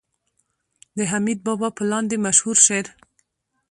د حميد بابا په لاندې مشهور شعر